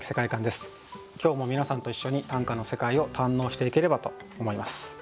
今日も皆さんと一緒に短歌の世界を堪能していければと思います。